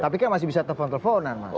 tapi kan masih bisa telepon teleponan mas